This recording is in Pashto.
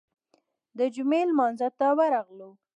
د جمعې لمانځه ته ورغلو.